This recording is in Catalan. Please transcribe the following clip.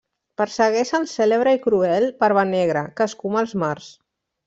Persegueix el cèlebre i cruel Barbanegra que escuma els mars.